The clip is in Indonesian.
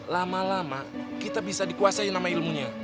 lama lama kita bisa dikuasain sama ilmunya